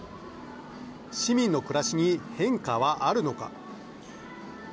市民の暮らしに変化はあるのか。